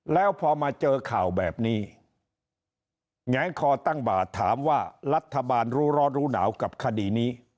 แล้วพอมาเจอข่าวแบบนี้แหงคอตั้งบาทถามว่ารัฐบาลรู้ร้อนรู้หนาวกับคดีนี้